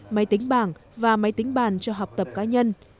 máy tính bảng và máy tính bàn cho học tập cá nhân